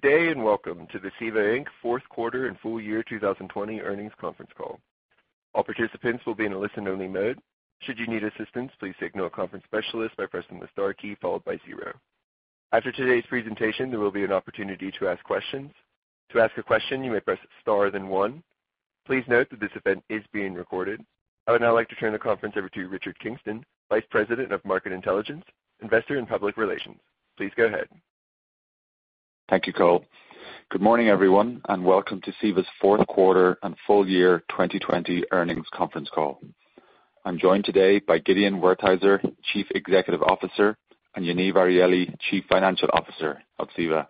Good day. Welcome to the CEVA Inc. fourth quarter and full year 2020 earnings conference call. All participants will be in a listen only mode. Should you need assistance, please signal a conference specialist by pressing the star key followed by zero. After today's presentation, there will be an opportunity to ask questions. To ask a question, you may press star then one. Please note that this event is being recorded. I would now like to turn the conference over to Richard Kingston, Vice President of Market Intelligence, Investor and Public Relations. Please go ahead. Thank you Cole. Good morning, everyone, and welcome to CEVA's fourth quarter and full year 2020 earnings conference call. I'm joined today by Gideon Wertheizer, Chief Executive Officer, and Yaniv Arieli, Chief Financial Officer of CEVA.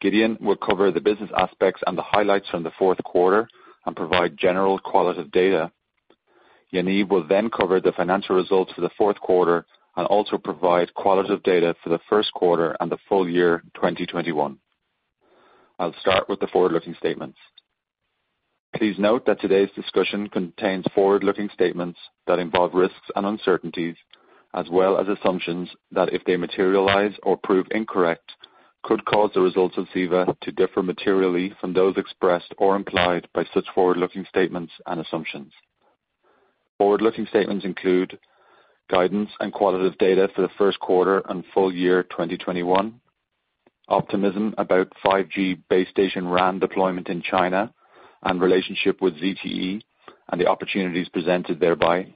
Gideon will cover the business aspects and the highlights from the fourth quarter and provide general qualitative data. Yaniv will then cover the financial results for the fourth quarter and also provide qualitative data for the first quarter and the full year 2021. I'll start with the forward-looking statements. Please note that today's discussion contains forward-looking statements that involve risks and uncertainties as well as assumptions that, if they materialize or prove incorrect, could cause the results of CEVA to differ materially from those expressed or implied by such forward-looking statements and assumptions. Forward-looking statements include guidance and qualitative data for the first quarter and full year 2021. Optimism about 5G base station RAN deployment in China and relationship with ZTE and the opportunities presented thereby.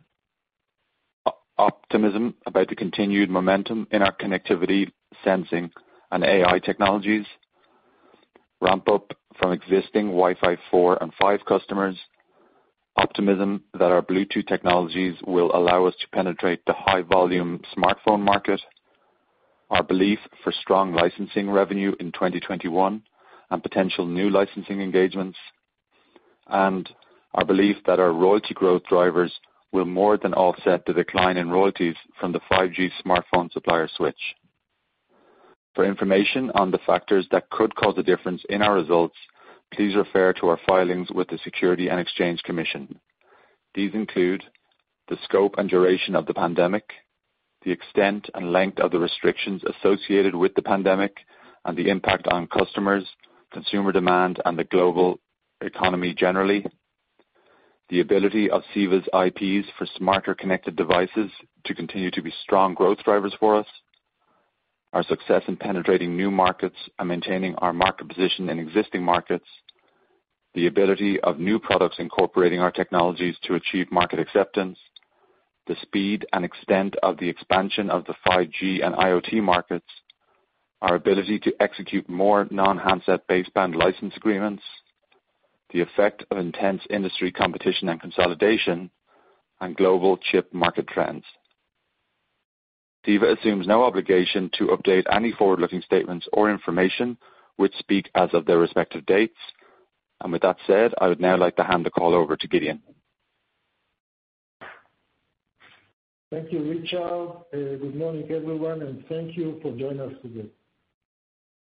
Optimism about the continued momentum in our connectivity sensing and AI technologies. Ramp-up from existing Wi-Fi 4 and Wi-Fi 5 customers. Optimism that our Bluetooth technologies will allow us to penetrate the high-volume smartphone market. Our belief for strong licensing revenue in 2021 and potential new licensing engagements. Our belief that our royalty growth drivers will more than offset the decline in royalties from the 5G smartphone supplier switch. For information on the factors that could cause a difference in our results, please refer to our filings with the Securities and Exchange Commission. These include the scope and duration of the pandemic, the extent and length of the restrictions associated with the pandemic, and the impact on customers, consumer demand, and the global economy generally. The ability of CEVA's IPs for smarter connected devices to continue to be strong growth drivers for us. Our success in penetrating new markets and maintaining our market position in existing markets. The ability of new products incorporating our technologies to achieve market acceptance. The speed and extent of the expansion of the 5G and IoT markets. Our ability to execute more non-handset baseband license agreements. The effect of intense industry competition and consolidation, and global chip market trends. CEVA assumes no obligation to update any forward-looking statements or information, which speak as of their respective dates. With that said, I would now like to hand the call over to Gideon. Thank you, Richard. Good morning, everyone, thank you for joining us today.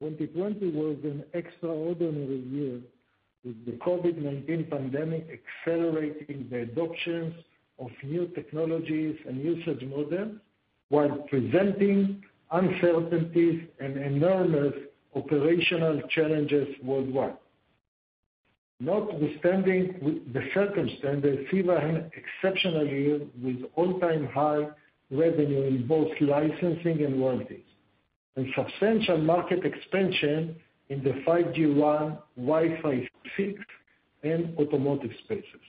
2020 was an extraordinary year with the COVID-19 pandemic accelerating the adoption of new technologies and usage models while presenting uncertainties and enormous operational challenges worldwide. Notwithstanding the circumstances, CEVA had exceptional year with all-time high revenue in both licensing and royalties, substantial market expansion in the 5G RAN, Wi-Fi 6, and automotive spaces.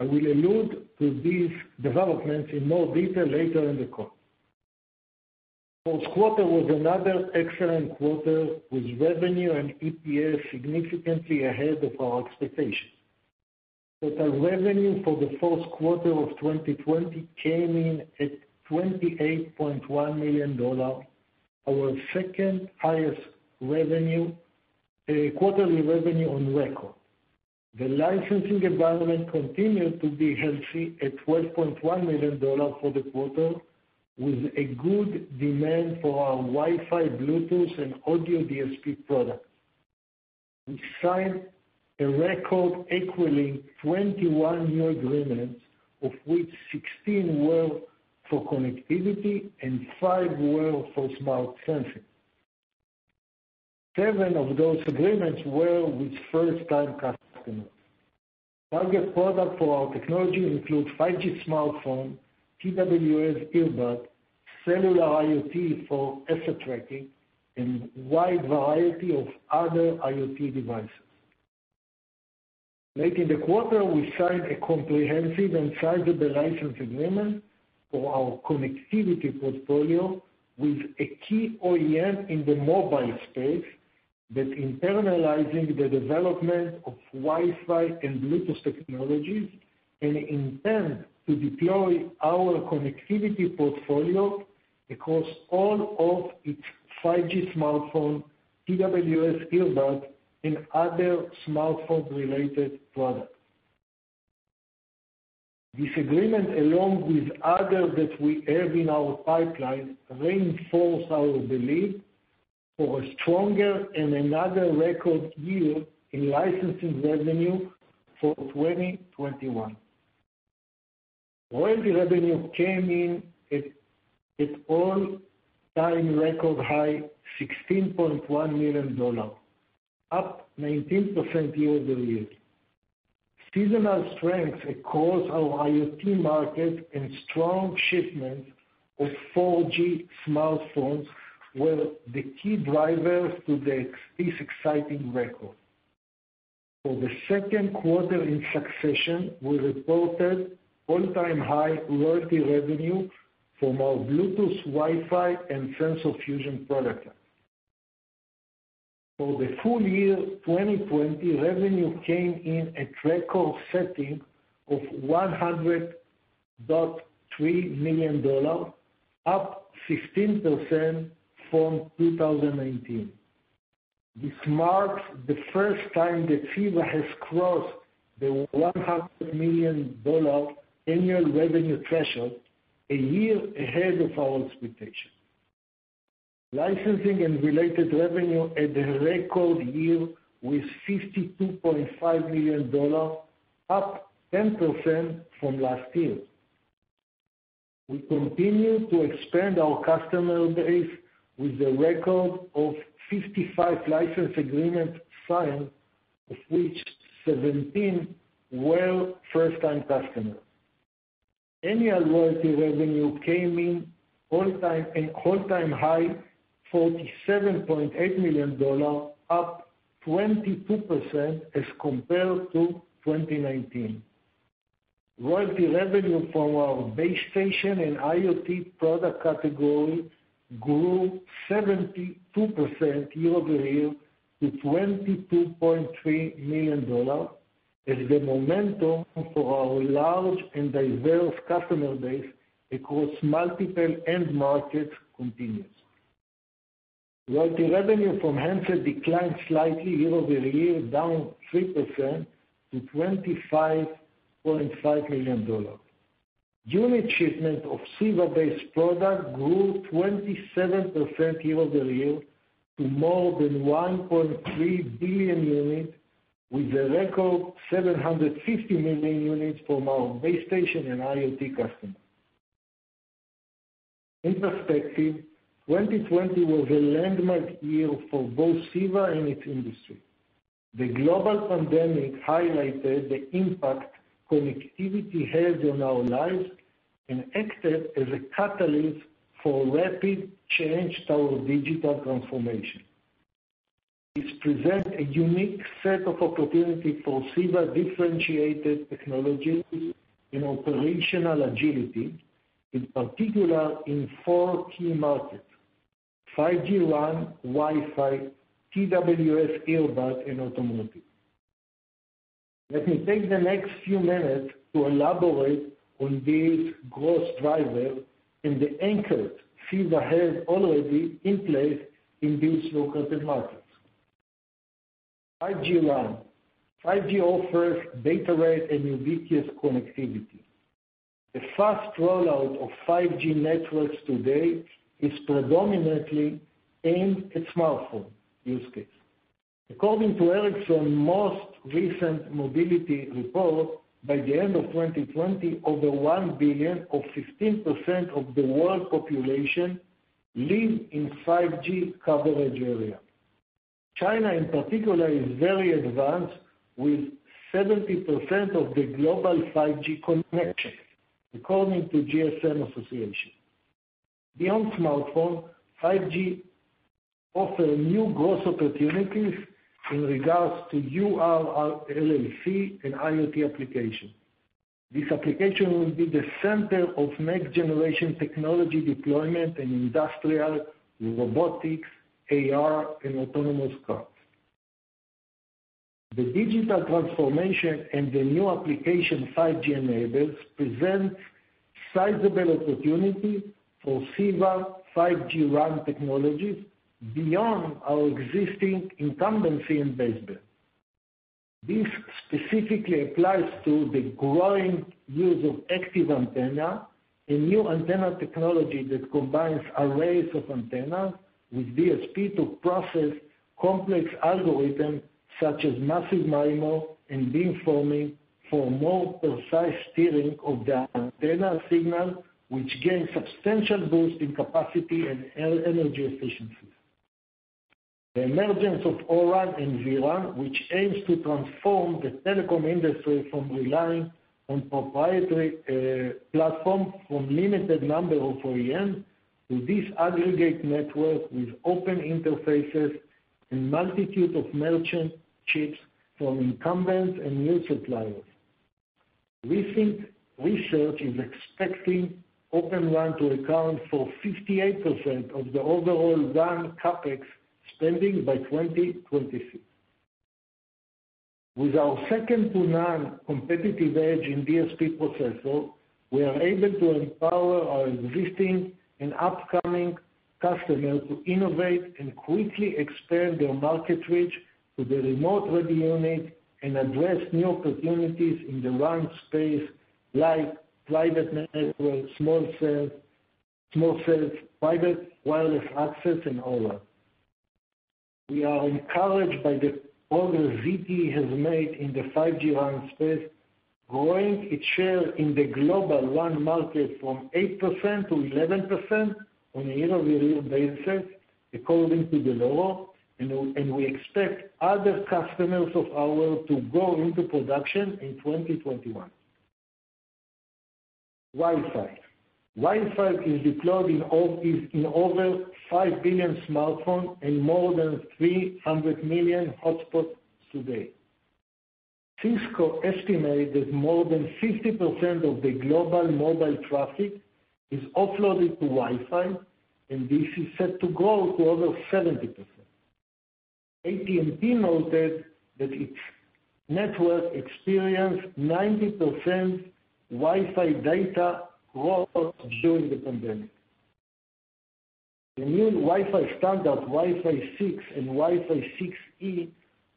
I will allude to these developments in more detail later in the call. Fourth quarter was another excellent quarter with revenue and EPS significantly ahead of our expectations. Total revenue for the fourth quarter of 2020 came in at $28.1 million, our second highest quarterly revenue on record. The licensing environment continued to be healthy at $12.1 million for the quarter, with a good demand for our Wi-Fi, Bluetooth, and audio DSP products. We signed a record equaling 21 new agreements, of which 16 were for connectivity and five were for smart sensing. Seven of those agreements were with first-time customers. Target product for our technology includes 5G smartphone, TWS earbud, cellular IoT for asset tracking, and wide variety of other IoT devices. Late in the quarter, we signed a comprehensive and sizable license agreement for our connectivity portfolio with a key OEM in the mobile space that internalizing the development of Wi-Fi and Bluetooth technologies and intend to deploy our connectivity portfolio across all of its 5G smartphone, TWS earbuds, and other smartphone-related products. This agreement, along with others that we have in our pipeline, reinforce our belief for a stronger and another record year in licensing revenue for 2021. Royalty revenue came in at all-time record high $16.1 million, up 19% year-over-year. Seasonal strength across our IoT market and strong shipments of 4G smartphones were the key drivers to this exciting record. For the second quarter in succession, we reported all-time high royalty revenue from our Bluetooth, Wi-Fi, and sensor fusion products. For the full year 2020, revenue came in at record setting of $100.3 million, up 15% from 2019. This marks the first time that CEVA has crossed the $100 million annual revenue threshold a year ahead of our expectation. Licensing and related revenue at a record year with $52.5 million, up 10% from last year. We continue to expand our customer base with a record of 55 license agreements signed, of which 17 were first-time customers. Annual royalty revenue came in an all-time high $47.8 million, up 22% as compared to 2019. Royalty revenue from our base station and IoT product category grew 72% year-over-year to $22.3 million. As the momentum for our large and diverse customer base across multiple end markets continues. Royalty revenue from handset declined slightly year-over-year, down 3% to $25.5 million. Unit shipment of CEVA-based product grew 27% year-over-year to more than 1.3 billion units, with a record 750 million units from our base station and IoT customers. In perspective, 2020 was a landmark year for both CEVA and its industry. The global pandemic highlighted the impact connectivity has on our lives and acted as a catalyst for rapid change to our digital transformation. This presents a unique set of opportunity for CEVA differentiated technologies and operational agility, in particular in four key markets: 5G RAN, Wi-Fi, TWS earbuds, and automotive. Let me take the next few minutes to elaborate on these growth drivers and the anchors CEVA has already in place in these lucrative markets. 5G RAN. 5G offers data rate and ubiquitous connectivity. The fast rollout of 5G networks today is predominantly aimed at smartphone use case. According to Ericsson most recent mobility report, by the end of 2020, over 1 billion, or 15% of the world population, live in 5G coverage area. China in particular is very advanced with 70% of the global 5G connections according to GSM Association. Beyond smartphone, 5G offer new growth opportunities in regards to URLLC and IoT application. This application will be the center of next-generation technology deployment in industrial, robotics, AR and autonomous cars. The digital transformation and the new application 5G enables presents sizable opportunity for CEVA 5G RAN technologies beyond our existing incumbency in baseband. This specifically applies to the growing use of active antenna, a new antenna technology that combines arrays of antenna with DSP to process complex algorithms such as Massive MIMO and beamforming for more precise steering of the antenna signal, which gains substantial boost in capacity and energy efficiency. The emergence of O-RAN and V-RAN, which aims to transform the telecom industry from relying on proprietary platform from limited number of OEM to disaggregate network with open interfaces and multitude of merchant chips from incumbents and new suppliers. Recent research is expecting Open RAN to account for 58% of the overall RAN CapEx spending by 2026. With our second-to-none competitive edge in DSP processor, we are able to empower our existing and upcoming customers to innovate and quickly expand their market reach to the remote radio unit and address new opportunities in the RAN space like private network, small cells, private wireless access, and O-RAN. We are encouraged by the progress ZTE has made in the 5G RAN space, growing its share in the global RAN market from 8%-11% on a year-over-year basis according to Dell'Oro Group, and we expect other customers of ours to go into production in 2021. Wi-Fi. Wi-Fi is deployed in over 5 billion smartphones and more than 300 million hotspots today. Cisco estimates that more than 50% of the global mobile traffic is offloaded to Wi-Fi, and this is set to grow to over 70%. AT&T noted that its network experienced 90% Wi-Fi data growth during the pandemic. The new Wi-Fi standards, Wi-Fi 6 and Wi-Fi 6E,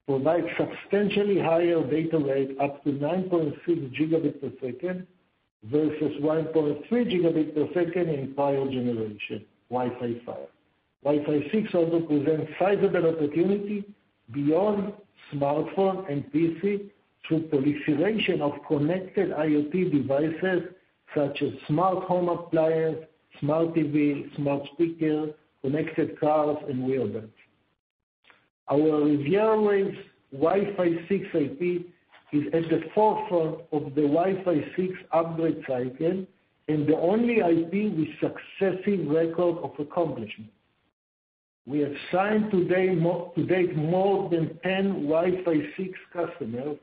provide substantially higher data rates, up to 9.6 Gbps versus 1.3 Gbps in prior generation Wi-Fi 5. Wi-Fi 6 also presents a sizable opportunity beyond smartphone and PC through proliferation of connected IoT devices such as smart home appliance, smart TV, smart speaker, connected cars and wearables. Our RivieraWaves Wi-Fi 6 IP is at the forefront of the Wi-Fi 6 upgrade cycle and the only IP with successive record of accomplishment. We have signed to date more than 10 Wi-Fi 6 customers,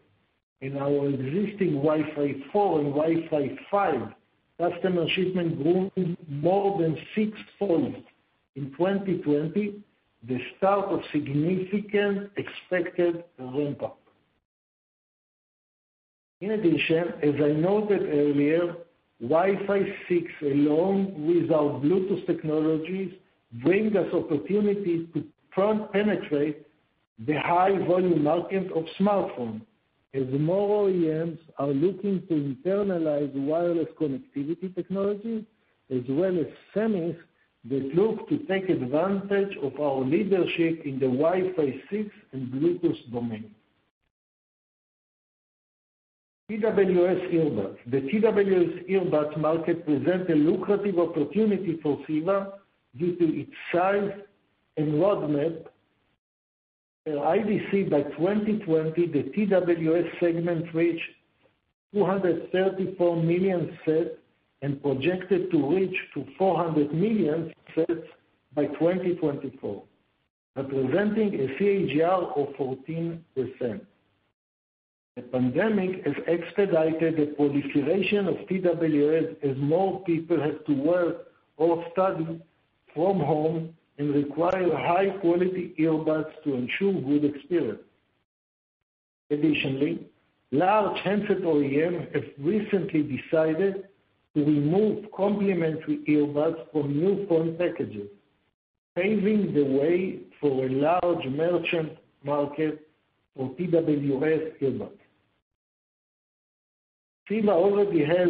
and our existing Wi-Fi 4 and Wi-Fi 5 customer shipment grew more than sixfold in 2020, the start of significant expected ramp-up. As I noted earlier, Wi-Fi 6, along with our Bluetooth technologies, brings us opportunities to front penetrate the high volume market of smartphones as more OEMs are looking to internalize wireless connectivity technology as well as semis that look to take advantage of our leadership in the Wi-Fi 6 and Bluetooth domain. TWS earbuds. The TWS earbuds market presents a lucrative opportunity for CEVA due to its size and roadmap. In IDC, by 2020, the TWS segment reached 234 million sets and projected to reach 400 million sets by 2024, representing a CAGR of 14%. The pandemic has expedited the proliferation of TWS as more people have to work or study from home and require high-quality earbuds to ensure good experience. Large handset OEM have recently decided to remove complementary earbuds from new phone packages, paving the way for a large merchant market for TWS earbuds. CEVA already has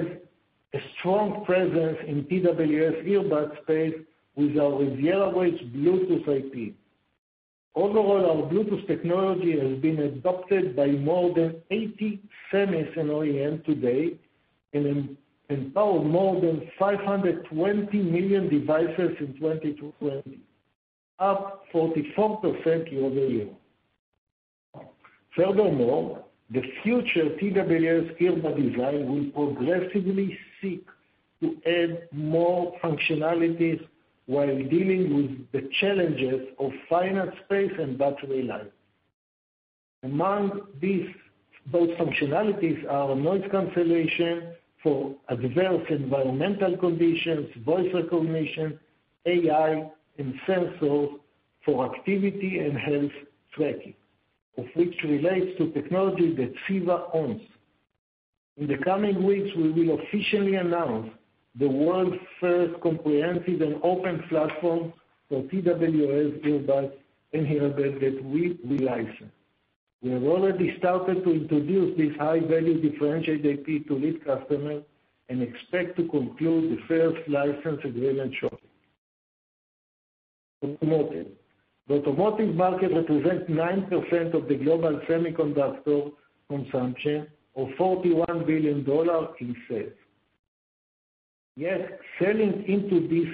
a strong presence in TWS earbuds space with our RivieraWaves Bluetooth IP. Overall, our Bluetooth technology has been adopted by more than 80 semis and OEM today and empowers more than 520 million devices in 2020, up 44% year-over-year. Furthermore, the future TWS earbud design will progressively seek to add more functionalities while dealing with the challenges of finite space and battery life. Among those functionalities are noise cancellation for adverse environmental conditions, voice recognition, AI, and sensors for activity and health tracking, of which relates to technology that CEVA owns. In the coming weeks, we will officially announce the world's first comprehensive and open platform for TWS earbuds and hearables that we license. We have already started to introduce this high-value differentiate IP to lead customer and expect to conclude the first license agreement shortly. Automotive. The automotive market represents 9% of the global semiconductor consumption of $41 billion in sales. Selling into the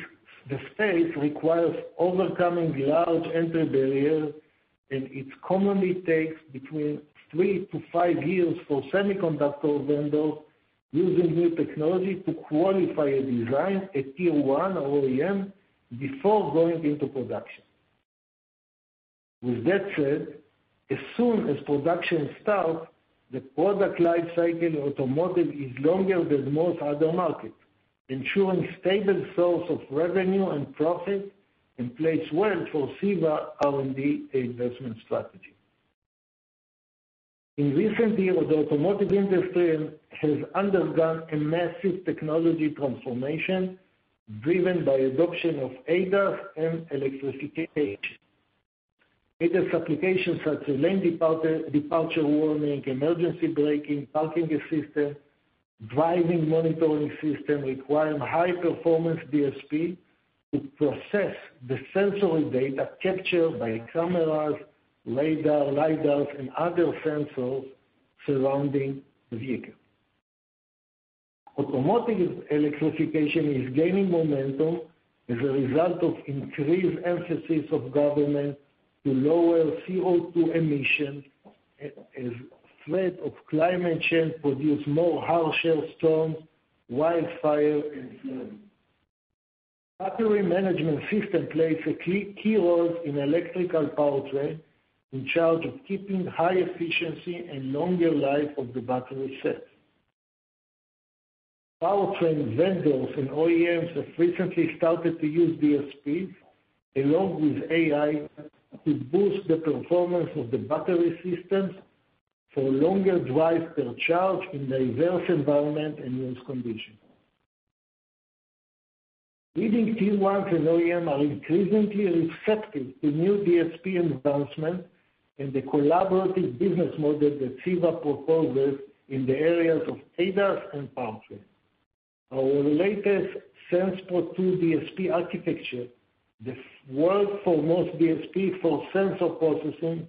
space requires overcoming large entry barriers, and it commonly takes between three to five years for semiconductor vendors using new technology to qualify a design at tier-one OEM before going into production. With that said, as soon as production starts, the product life cycle in automotive is longer than most other markets, ensuring stable source of revenue and profit and plays well for CEVA R&D investment strategy. In recent years, the automotive industry has undergone a massive technology transformation driven by adoption of ADAS and electrification. ADAS applications such as lane departure warning, emergency braking, parking assistance, driving monitoring system require high performance DSP to process the sensory data captured by cameras, radar, lidars, and other sensors surrounding the vehicle. Automotive electrification is gaining momentum as a result of increased emphasis of government to lower CO2 emission as threat of climate change produce more harsher storms, wildfire, and floods. Battery management system plays a key role in electrical powertrain in charge of keeping high efficiency and longer life of the battery set. Powertrain vendors and OEMs have recently started to use DSPs along with AI to boost the performance of the battery systems for longer drives per charge in the adverse environment and use condition. Leading tier ones and OEM are increasingly receptive to new DSP advancement and the collaborative business model that CEVA proposes in the areas of ADAS and powertrain. Our latest SensPro2 DSP architecture, the world-foremost DSP for sensor processing,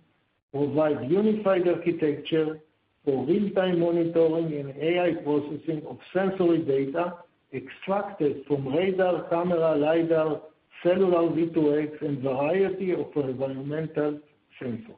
provide unified architecture for real-time monitoring and AI processing of sensory data extracted from radar, camera, lidar, cellular V2X, and variety of environmental sensor.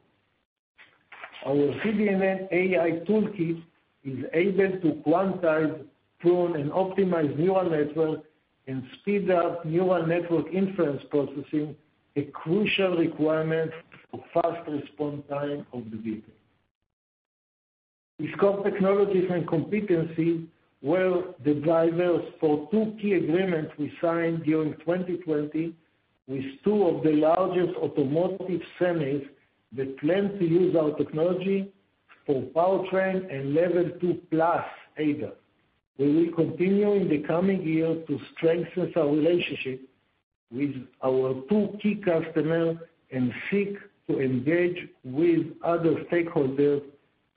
Our CDNN AI Toolkit is able to quantize, prune, and optimize neural network, and speed up neural network inference processing, a crucial requirement for fast response time of the vehicle. These core technologies and competencies were the drivers for two key agreements we signed during 2020 with two of the largest automotive semis that plan to use our technology for powertrain and Level 2+ ADAS. We will continue in the coming year to strengthen our relationship with our two key customer and seek to engage with other stakeholders,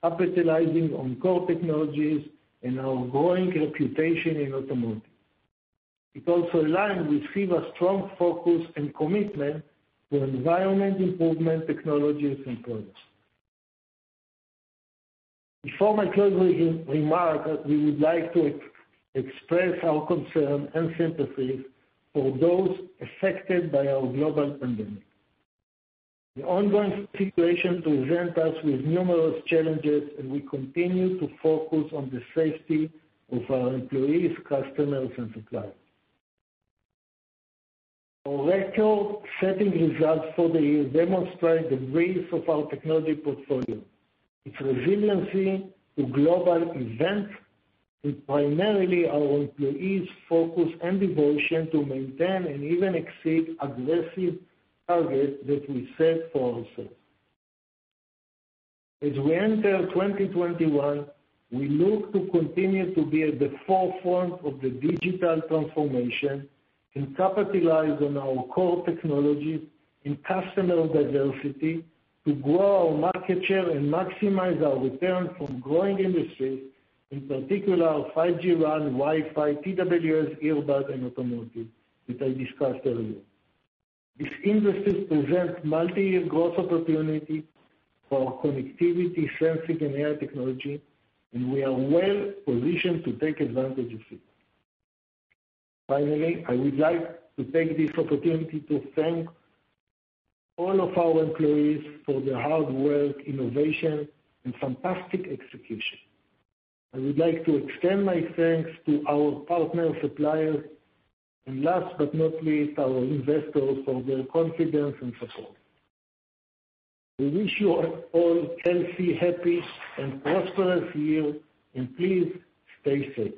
capitalizing on core technologies and our growing reputation in automotive. It also align with CEVA's strong focus and commitment to environment improvement technologies and products. Before my closing remark, we would like to express our concern and sympathy for those affected by our global pandemic. The ongoing situation presents us with numerous challenges, and we continue to focus on the safety of our employees, customers, and suppliers. Our record-setting results for the year demonstrate the breadth of our technology portfolio, its resiliency to global events, and primarily our employees' focus and devotion to maintain and even exceed aggressive targets that we set for ourselves. As we enter 2021, we look to continue to be at the forefront of the digital transformation and capitalize on our core technology and customer diversity to grow our market share and maximize our return from growing industries, in particular 5G RAN, Wi-Fi, TWS, earbud, and automotive, which I discussed earlier. These industries present multiyear growth opportunity for connectivity, sensing, and AI technology, and we are well positioned to take advantage of it. Finally, I would like to take this opportunity to thank all of our employees for their hard work, innovation, and fantastic execution. I would like to extend my thanks to our partner, suppliers, and last but not least, our investors for their confidence and support. We wish you all healthy, happy, and prosperous year. Please stay safe.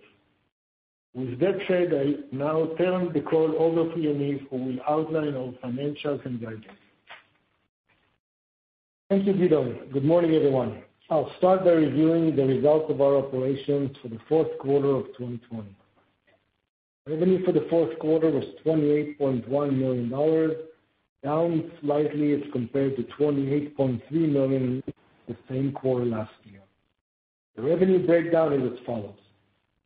With that said, I now turn the call over to Yaniv who will outline our financials and guidance. Thank you, Gideon. Good morning, everyone. I'll start by reviewing the results of our operations for the fourth quarter of 2020. Revenue for the fourth quarter was $28.1 million, down slightly as compared to $28.3 million the same quarter last year. The revenue breakdown is as follows.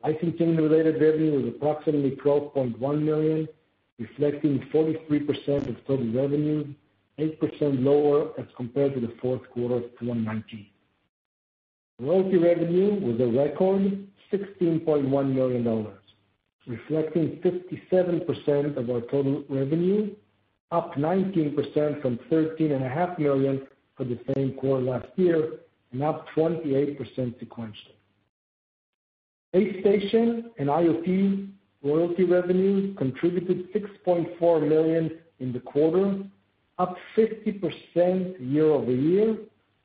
Licensing-related revenue was approximately $12.1 million, reflecting 43% of total revenue, 8% lower as compared to the fourth quarter of 2019. Royalty revenue was a record $16.1 million, reflecting 57% of our total revenue, up 19% from $13.5 million for the same quarter last year, and up 28% sequentially. Base station and IoT royalty revenue contributed $6.4 million in the quarter, up 50% year-over-year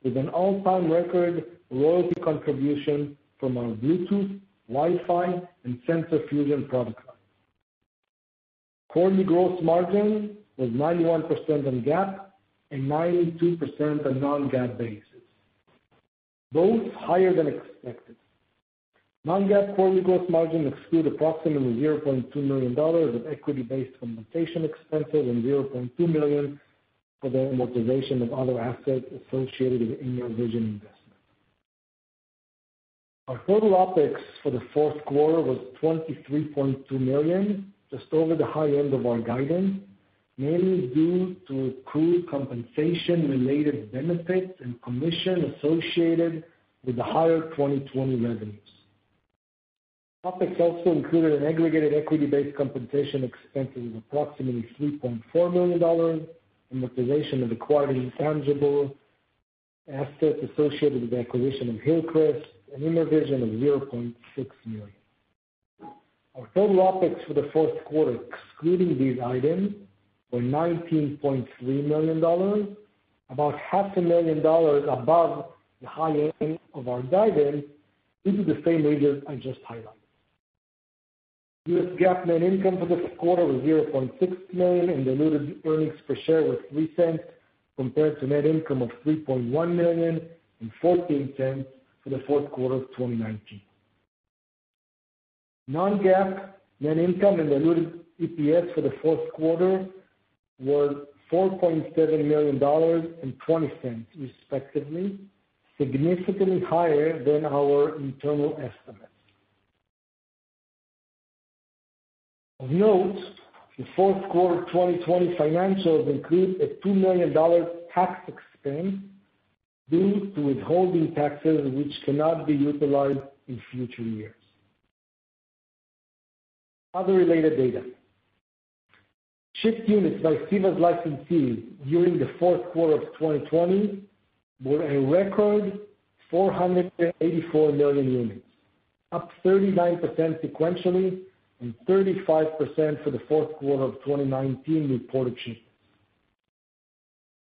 with an all-time record royalty contribution from our Bluetooth, Wi-Fi, and sensor fusion product lines. Quarterly gross margin was 91% on GAAP and 92% on non-GAAP basis, both higher than expected. Non-GAAP quarterly gross margin exclude approximately $0.2 million of equity-based compensation expenses and $0.2 million-For the amortization of other assets associated with Intrinsix investment. Our total OpEx for the fourth quarter was $23.2 million, just over the high end of our guidance, mainly due to accrued compensation-related benefits and commission associated with the higher 2020 revenues. OpEx also included an aggregated equity-based compensation expense of approximately $3.4 million, amortization of acquired intangible assets associated with the acquisition of Hillcrest and Intrinsix of $0.6 million. Our total OpEx for the fourth quarter, excluding these items, were $19.3 million, about $500,000 above the high end of our guidance, due to the same reasons I just highlighted. U.S. GAAP net income for this quarter was $0.6 million and diluted earnings per share was $0.03 compared to net income of $3.1 million and $0.14 for the fourth quarter of 2019. Non-GAAP net income and diluted EPS for the fourth quarter were $4.7 million and $0.20 respectively, significantly higher than our internal estimates. Of note, the fourth quarter 2020 financials include a $2 million tax expense due to withholding taxes which cannot be utilized in future years. Other related data. Shipped units by CEVA's licensees during the fourth quarter of 2020 were a record 484 million units, up 39% sequentially and 35% for the fourth quarter of 2019 reported shipments.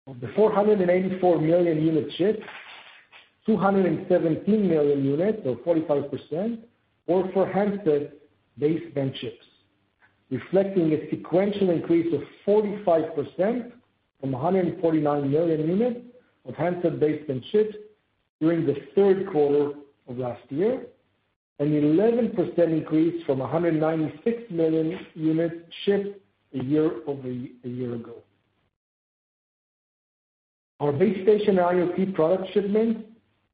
Of the 484 million unit ships, 217 million units, or 45%, were for handset baseband chips, reflecting a sequential increase of 45% from 149 million units of handset baseband chips during the third quarter of last year, and an 11% increase from 196 million units shipped a year ago. Our base station IoT product shipments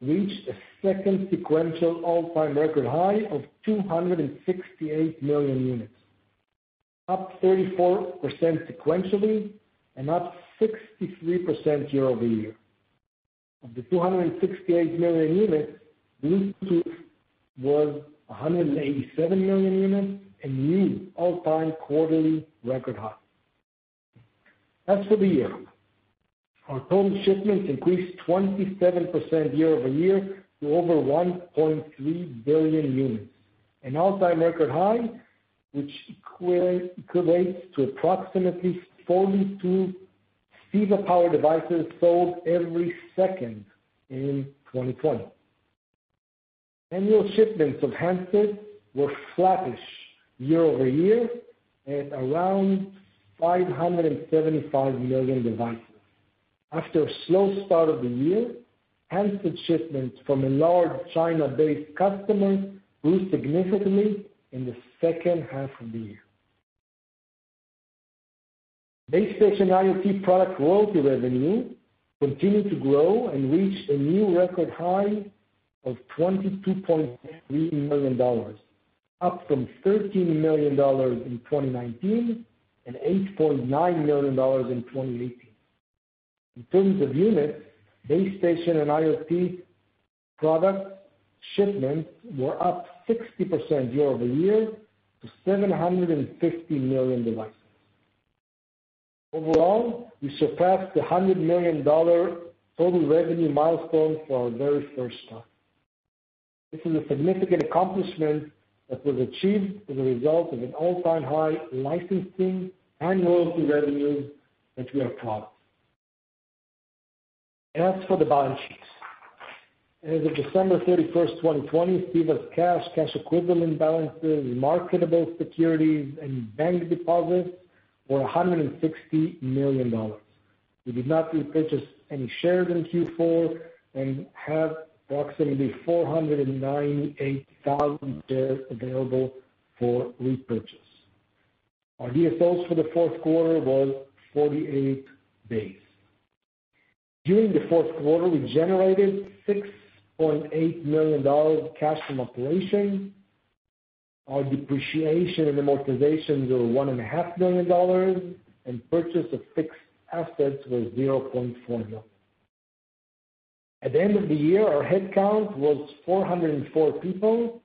reached a second sequential all-time record high of 268 million units, up 34% sequentially and up 63% year-over-year. Of the 268 million units, Bluetooth was 187 million units, a new all-time quarterly record high. As for the year, our total shipments increased 27% year-over-year to over 1.3 billion units, an all-time record high, which equates to approximately 42 CEVA-powered devices sold every second in 2020. Annual shipments of handsets were flattish year-over-year at around 575 million devices. After a slow start of the year, handset shipments from a large China-based customer grew significantly in the second half of the year. Base station IoT product royalty revenue continued to grow and reached a new record high of $22.3 million, up from $13 million in 2019 and $8.9 million in 2018. In terms of units, base station and IoT product shipments were up 60% year-over-year to 750 million devices. Overall, we surpassed the $100 million total revenue milestone for our very first time. This is a significant accomplishment that was achieved as a result of an all-time high licensing and royalty revenue that we have caught. As for the balance sheets. As of December 31st, 2020, CEVA's cash equivalent balances, marketable securities, and bank deposits were $160 million. We did not repurchase any shares in Q4 and have approximately 498,000 shares available for repurchase. Our DSOs for the fourth quarter was 48 days. During the fourth quarter, we generated $6.8 million of cash from operation. Our depreciation and amortizations were $1.5 million, and purchase of fixed assets was $0.4 million. At the end of the year, our head count was 404 people,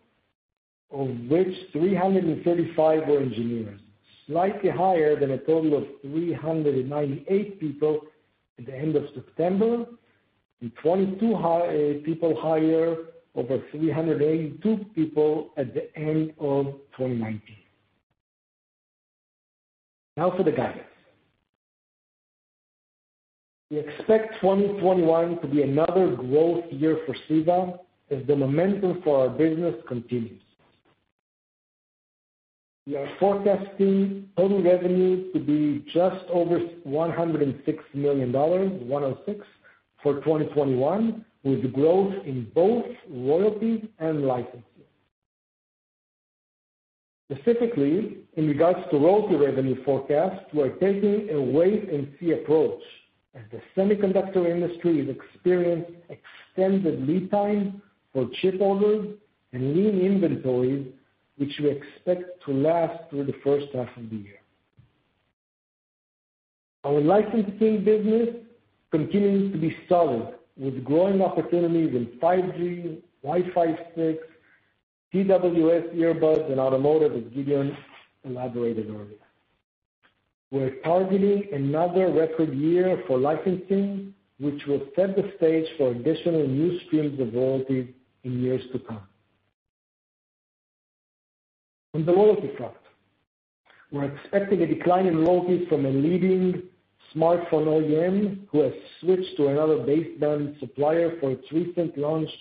of which 335 were engineers. Slightly higher than a total of 398 people at the end of September, and 22 people higher over 382 people at the end of 2019. Now for the guidance. We expect 2021 to be another growth year for CEVA as the momentum for our business continues. We are forecasting total revenue to be just over $106 million for 2021, with growth in both royalties and licensing. Specifically, in regards to royalty revenue forecast, we are taking a wait-and-see approach as the semiconductor industry has experienced extended lead time for chip orders and lean inventories, which we expect to last through the first half of the year. Our licensing business continues to be solid with growing opportunities in 5G, Wi-Fi 6, TWS earbuds, and automotive, as Gideon elaborated earlier. We're targeting another record year for licensing, which will set the stage for additional new streams of royalties in years to come. On the royalty front, we're expecting a decline in royalties from a leading smartphone OEM who has switched to another baseband supplier for its recent launched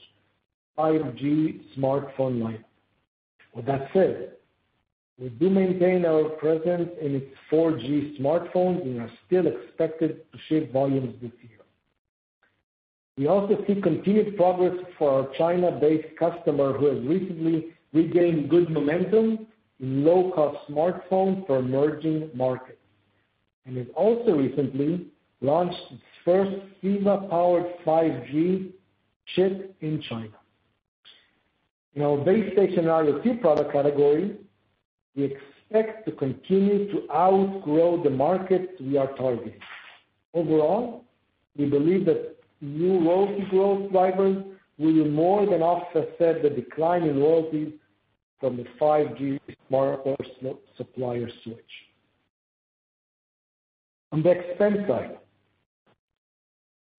5G smartphone line. With that said, we do maintain our presence in its 4G smartphones and are still expected to ship volumes this year. We also see continued progress for our China-based customer who has recently regained good momentum in low-cost smartphones for emerging markets, and has also recently launched its first CEVA-powered 5G chip in China. In our base station RF product category, we expect to continue to outgrow the market we are targeting. Overall, we believe that new royalty growth drivers will more than offset the decline in royalties from the 5G smartphone supplier switch. On the expense side,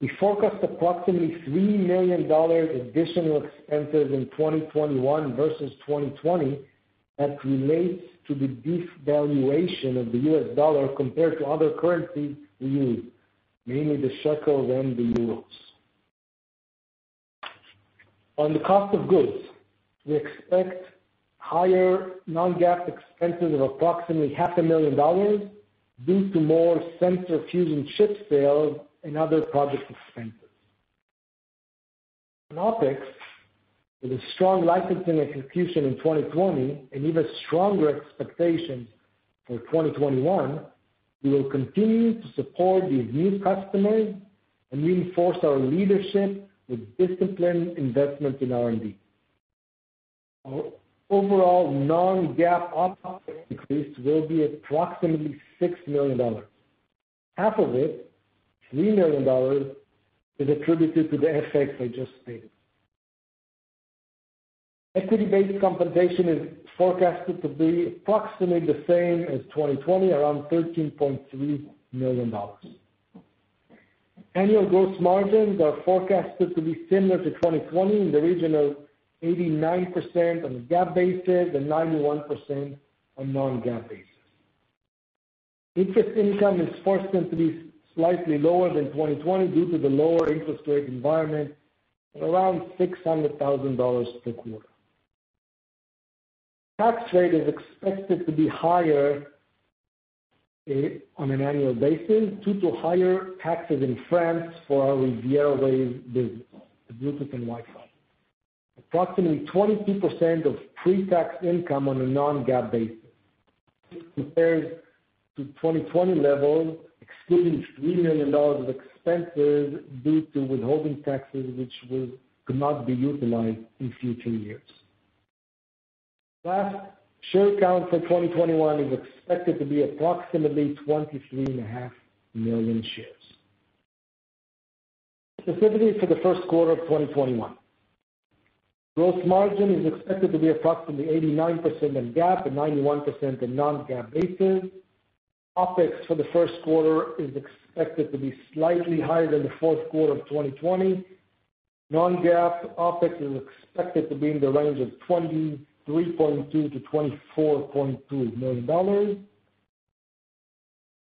we forecast approximately $3 million additional expenses in 2021 versus 2020 as relates to the devaluation of the U.S. dollar compared to other currencies we use, mainly the shekel and the euros. On the cost of goods, we expect higher non-GAAP expenses of approximately $500,000 due to more sensor fusion chip sales and other project expenses. In OpEx, with a strong licensing execution in 2020 and even stronger expectations for 2021, we will continue to support these new customers and reinforce our leadership with disciplined investment in R&D. Our overall non-GAAP OpEx increase will be approximately $6 million. Half of it, $3 million, is attributed to the FX I just stated. Equity-based compensation is forecasted to be approximately the same as 2020, around $13.3 million. Annual gross margins are forecasted to be similar to 2020 in the region of 89% on a GAAP basis and 91% on non-GAAP basis. Interest income is forecasted to be slightly lower than 2020 due to the lower interest rate environment at around $600,000 per quarter. Tax rate is expected to be higher on an annual basis due to higher taxes in France for our RivieraWaves business, the Bluetooth and Wi-Fi. Approximately 22% of pre-tax income on a non-GAAP basis compares to 2020 levels, excluding $3 million of expenses due to withholding taxes, which could not be utilized in future years. Last, share count for 2021 is expected to be approximately 23.5 million shares. Specifically for the first quarter of 2021, gross margin is expected to be approximately 89% in GAAP and 91% in non-GAAP basis. OpEx for the first quarter is expected to be slightly higher than the fourth quarter of 2020. Non-GAAP OpEx is expected to be in the range of $23.2 million-$24.2 million.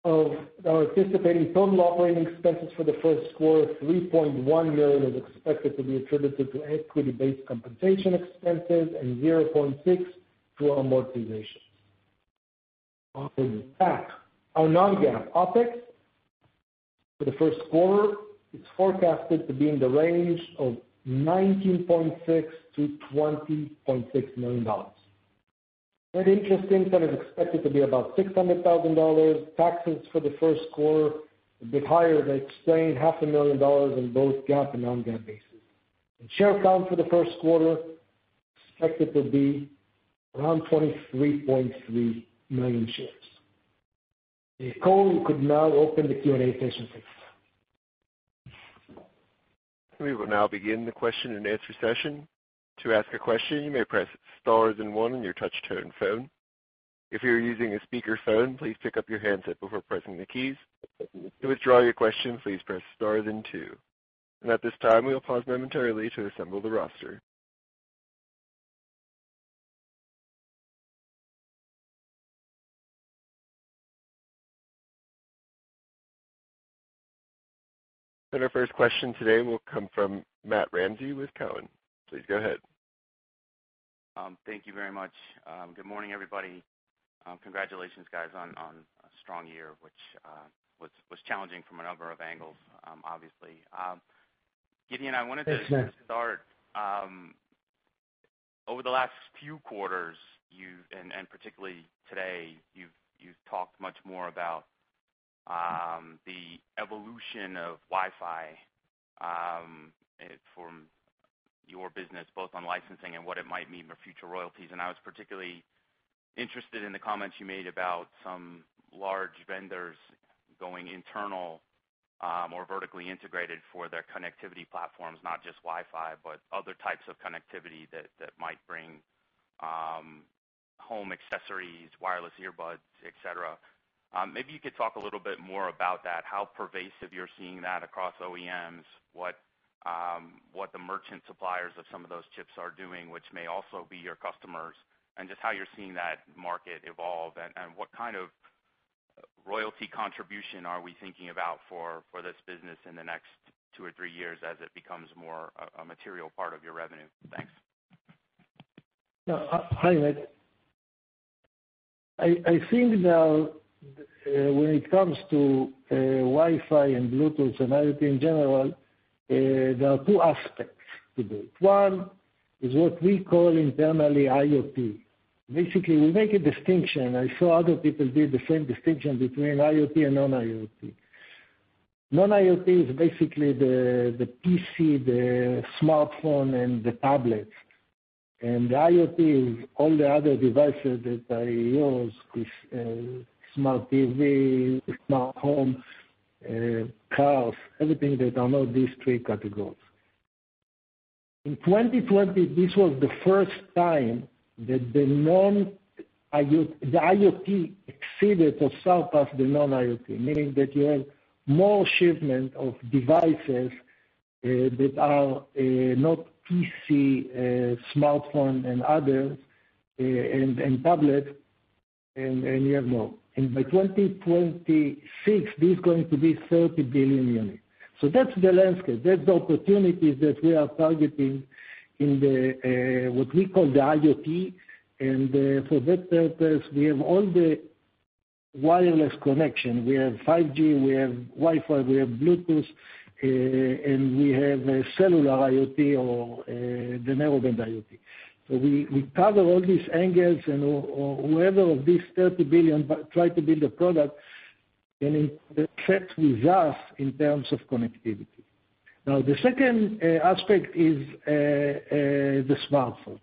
Of our anticipated total operating expenses for the first quarter, $3.1 million is expected to be attributed to equity-based compensation expenses and $0.6 million to amortization. On the back, our non-GAAP OpEx for the first quarter is forecasted to be in the range of $19.6 million-$20.6 million. Net interest income is expected to be about $600,000. Taxes for the first quarter, a bit higher than explained, $500,000 on both GAAP and non-GAAP basis. Share count for the first quarter, expected to be around 23.3 million shares. Nicole, you could now open the Q&A session, please. We will now begin our question-and-answer session. To ask your question you may press star then one on your touch tone phone, if you are using a speaker phone please pick up your handset before pressing the keys. To withdraw your question please press star then two. At this time we will pause momentarily to assemble the roster. Our first question today will come from Matt Ramsay with Cowen. Please go ahead. Thank you very much. Good morning, everybody. Congratulations, guys, on a strong year, which was challenging from a number of angles, obviously. Gideon, I wanted to start. Over the last few quarters, particularly today, you've talked much more about the evolution of Wi-Fi for your business, both on licensing and what it might mean for future royalties. I was particularly interested in the comments you made about some large vendors going internal or vertically integrated for their connectivity platforms, not just Wi-Fi, but other types of connectivity that might bring home accessories, wireless earbuds, et cetera. Maybe you could talk a little bit more about that, how pervasive you're seeing that across OEMs, what the merchant suppliers of some of those chips are doing, which may also be your customers, and just how you're seeing that market evolve. What kind of royalty contribution are we thinking about for this business in the next two or three years as it becomes more a material part of your revenue? Thanks. Hi, Matt. I think now, when it comes to Wi-Fi and Bluetooth and IoT in general, there are two aspects to this. One is what we call internally IoT. Basically, we make a distinction. I saw other people did the same distinction between IoT and non-IoT. Non-IoT is basically the PC, the smartphone, and the tablet. The IoT is all the other devices that I use, which smart TV, smart home, cars, everything that are not these three categories. In 2020, this was the first time that the IoT exceeded or surpassed the non-IoT, meaning that you have more shipment of devices that are not PC, smartphone, and others, and tablet. By 2026, this is going to be 30 billion units. That's the landscape. That's the opportunities that we are targeting in the, what we call the IoT, and for that purpose, we have all the wireless connection. We have 5G, we have Wi-Fi, we have Bluetooth, and we have cellular IoT or the Narrowband IoT. We cover all these angles and whoever of these 30 billion try to build a product, it checks with us in terms of connectivity. Now, the second aspect is the smartphone.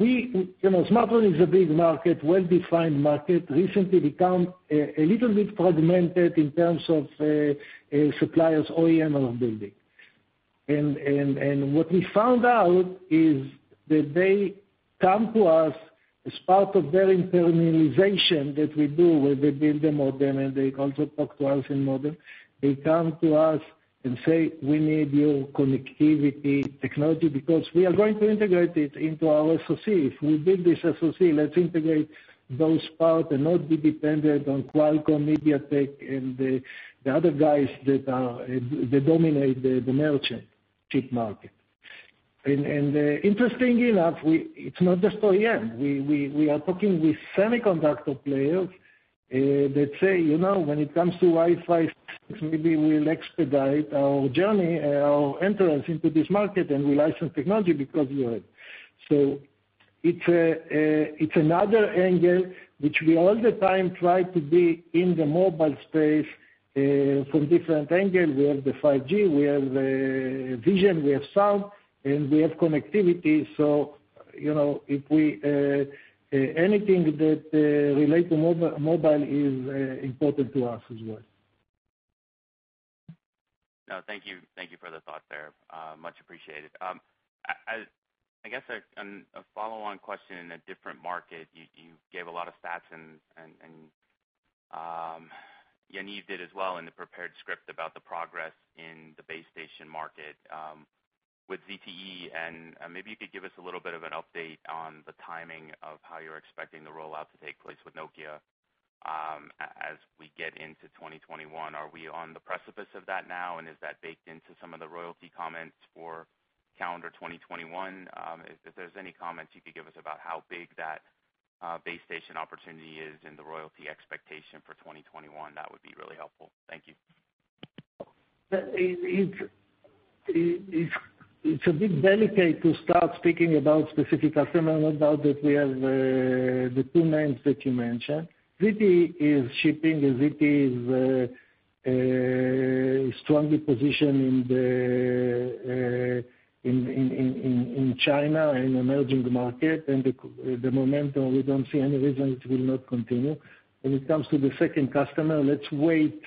Smartphone is a big market, well-defined market, recently become a little bit fragmented in terms of suppliers, OEM are building. What we found out is that they come to us as part of their internalization that we do where they build the modem, and they also talk to us in modem. They come to us and say, "We need your connectivity technology because we are going to integrate it into our SoC. If we build this SoC, let's integrate those parts and not be dependent on Qualcomm, MediaTek, and the other guys that dominate the merchant chip market. Interestingly enough, it's not just OEM. We are talking with semiconductor players that say, "When it comes to Wi-Fi, maybe we'll expedite our journey, our entrance into this market, and we license technology because you have." It's another angle, which we all the time try to be in the mobile space, from different angles. We have the 5G, we have vision, we have sound, and we have connectivity. Anything that relates to mobile is important to us as well. No, thank you. Thank you for the thought there. Much appreciated. I guess a follow-on question in a different market. You gave a lot of stats, and Yaniv did as well in the prepared script about the progress in the base station market. With ZTE, maybe you could give us a little bit of an update on the timing of how you're expecting the rollout to take place with Nokia as we get into 2021. Are we on the precipice of that now, and is that baked into some of the royalty comments for calendar 2021? If there's any comments you could give us about how big that base station opportunity is and the royalty expectation for 2021, that would be really helpful. Thank you. It's a bit delicate to start speaking about specific customer. No doubt that we have the two names that you mentioned. ZTE is shipping, and ZTE is strongly positioned in China, in emerging market, and the momentum, we don't see any reason it will not continue. When it comes to the second customer, let's wait.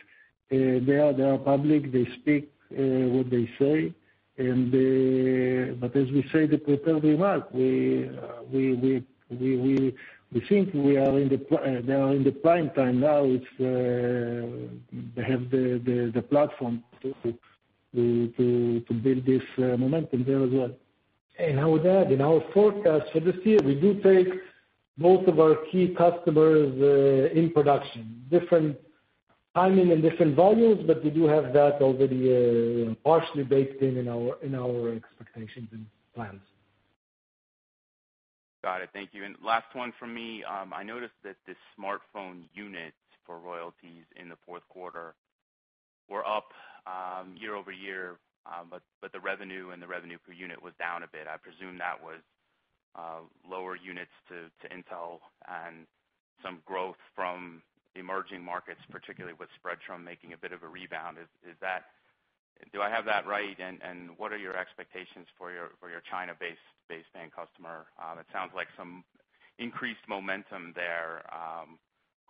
They are public. They speak what they say. As we say, the prepared remark, we think they are in the prime time now. They have the platform to build this momentum there as well. I would add, in our forecast for this year, we do take both of our key customers in production, different timing and different volumes, but we do have that already partially baked in our expectations and plans. Got it. Thank you. Last one from me. I noticed that the smartphone units for royalties in the fourth quarter were up year-over-year. The revenue and the revenue per unit was down a bit. I presume that was lower units to Intel and some growth from emerging markets, particularly with Spreadtrum making a bit of a rebound. Do I have that right? What are your expectations for your China-based fan customer? It sounds like some increased momentum there,